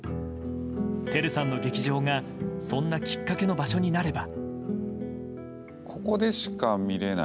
照さんの劇場がそんなきっかけの場所になれば。